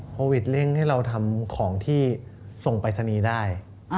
โควิดเร่งให้เราทำของที่ส่งปรายศนีย์ได้